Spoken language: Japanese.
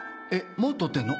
もうとってんの？